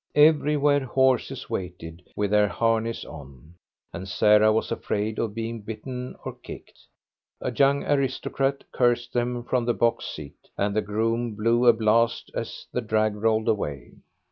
Everywhere horses waited with their harness on, and Sarah was afraid of being bitten or kicked. A young aristocrat cursed them from the box seat, and the groom blew a blast as the drag rolled away.